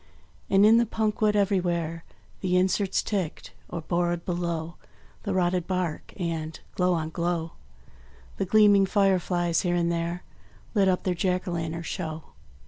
And in the punk wood everywhere The inserts ticked, or bored below The rotted bark; and, glow on glow, The gleaming fireflies here and there Lit up their Jack o' lantern show.